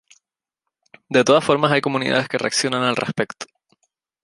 De todas formas, hay comunidades que reaccionan al respecto.